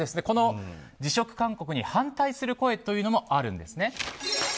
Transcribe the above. この辞職勧告に反対する声もあるんですね。